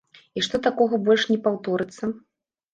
І што такога больш не паўторыцца.